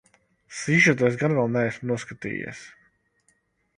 Sižetu es gan vēl neesmu noskatījies.